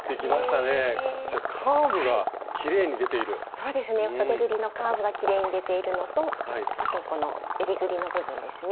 そうですねそでぐりのカーブがきれいに出ているのとあとこのえりぐりの部分ですね